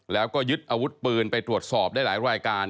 แล้วก็ยึดอาวุธปืนไปตรวจสอบได้หลายรายการ